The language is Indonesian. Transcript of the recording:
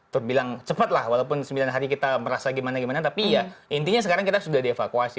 terus bilang cepat lah walaupun sembilan hari kita merasa gimana gimana tapi ya intinya sekarang kita sudah dievakuasi